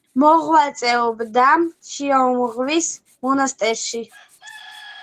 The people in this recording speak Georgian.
მოღვაწეობდა შიომღვიმის მონასტერში.